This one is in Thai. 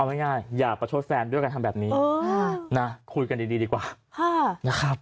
เอาง่ายอย่าประโทษแฟนด้วยการทำแบบนี้นะคุยกันดีดีกว่านะครับ